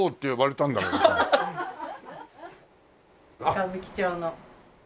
歌舞伎町の。